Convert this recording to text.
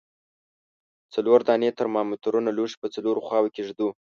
څلور دانې ترمامترونه لوښي په څلورو خواو کې ږدو.